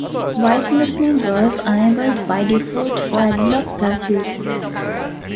Whitelisting was enabled by default for AdBlock Plus users.